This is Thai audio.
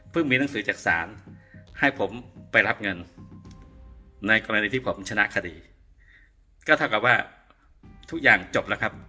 มีหนังสือจากศาลให้ผมไปรับเงินในกรณีที่ผมชนะคดีก็เท่ากับว่าทุกอย่างจบแล้วครับ